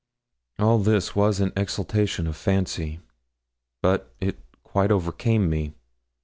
All this was an exhalation of fancy, but it quite overcame me.